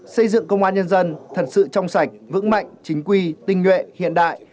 xây dựng công an nhân dân thật sự trong sạch vững mạnh chính quy tinh nguyện hiện đại